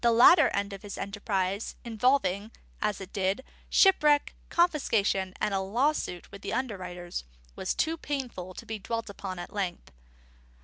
The latter end of this enterprise, involving (as it did) shipwreck, confiscation, and a lawsuit with the underwriters, was too painful to be dwelt upon at length.